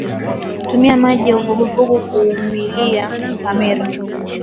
tumia maji ya uvuguvugu kuumulia hamira